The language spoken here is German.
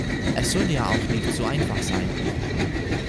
Es soll ja auch nicht zu einfach sein.